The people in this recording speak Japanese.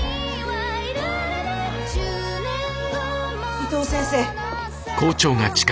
伊藤先生。